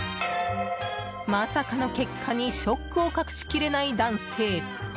まさかの結果にショックを隠しきれない男性。